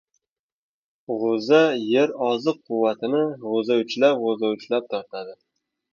G‘o‘za yer oziq-quvvatini g‘o‘zauchlab-g‘o‘zauchlab tortadi.